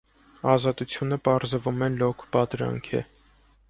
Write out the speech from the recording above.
Ազատությունը պարզվում է լոկ պատրանք է։